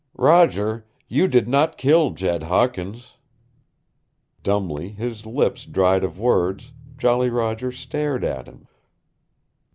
"Roger, you did not kill Jed Hawkins!" Dumbly, his lips dried of words, Jolly Roger stared at him.